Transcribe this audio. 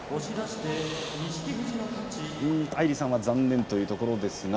アイリさんは残念というところですね。